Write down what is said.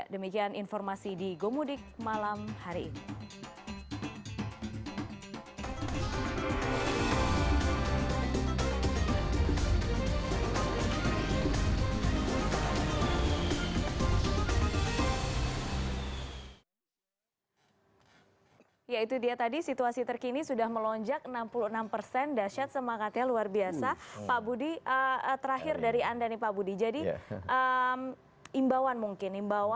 demikian informasi di gomudik malam hari ini